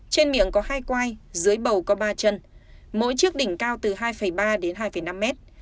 trên miệng có hai quay dưới bầu có ba chân mỗi chiếc đỉnh cao từ hai ba đến hai năm mét